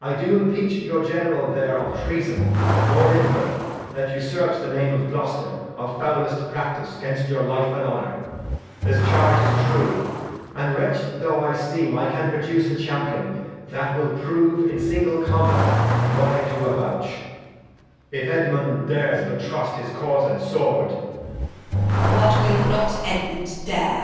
I do impeach your General there of Treason, Lord Edmund, that usurps the Name of Gloster, Of foulest Practice 'gainst your Life and Honour ; This Charge is true, and wretched though I seem, I can produce a Champion that will prove In single Combat what I do avouch : If Edmund dares but trust his Cause and Sword. Act v] King Lear 243 Bast. What will not Edmund dare!